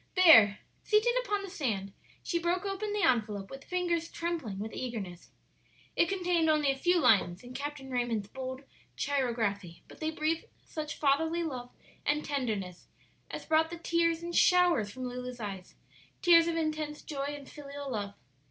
There, seated upon the sand, she broke open the envelope with fingers trembling with eagerness. It contained only a few lines in Captain Raymond's bold chirography, but they breathed such fatherly love and tenderness as brought the tears in showers from Lulu's eyes tears of intense joy and filial love.